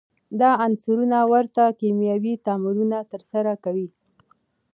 دا عنصرونه ورته کیمیاوي تعاملونه ترسره کوي.